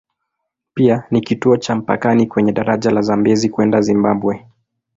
Pia ni kituo cha mpakani kwenye daraja la Zambezi kwenda Zimbabwe.